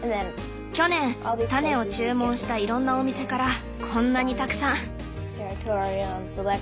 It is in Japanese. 去年種を注文したいろんなお店からこんなにたくさん。